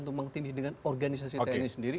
tumbang tinggi dengan organisasi tni sendiri